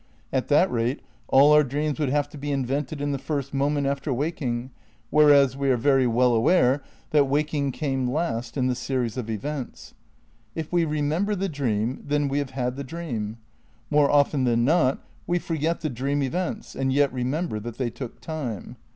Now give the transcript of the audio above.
At that rate all our dreams would have to be invented in the first moment after waking, whereas we are very well aware that waking came last in the series of events. If we re member the dream then we have had the dream. More often than not we forget the dream events and yet remember that they took time.